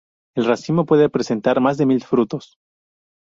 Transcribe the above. El racimo puede presentar más de mil frutos.